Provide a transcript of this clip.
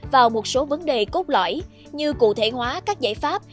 vào một số vấn đề cốt lõi như cụ thể hóa các giải pháp